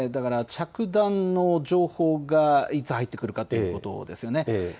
着弾の情報がいつ、入ってくるかということですよね。